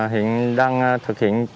hiện đang thực hiện